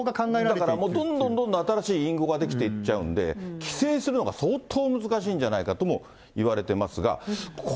だからどんどんどんどん新しい隠語が出来ていっちゃうんで、規制するのが相当難しいんじゃないかとも言われてますが。